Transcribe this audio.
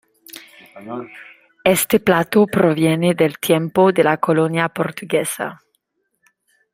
Este plato proviene del tiempo de la colonia portuguesa.